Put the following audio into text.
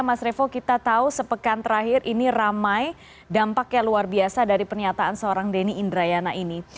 mas revo kita tahu sepekan terakhir ini ramai dampaknya luar biasa dari pernyataan seorang denny indrayana ini